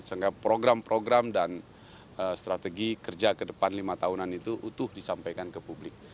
sehingga program program dan strategi kerja ke depan lima tahunan itu utuh disampaikan ke publik